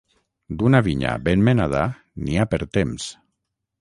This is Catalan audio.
D'una vinya ben menada n'hi ha per temps.